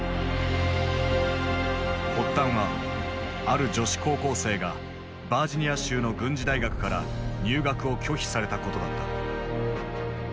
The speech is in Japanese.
発端はある女子高校生がバージニア州の軍事大学から入学を拒否されたことだった。